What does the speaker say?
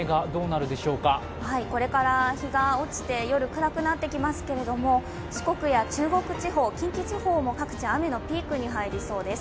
これから日が落ちて、夜暗くなってきますが四国や中国地方、近畿地方も各地、雨のピークになりそうです。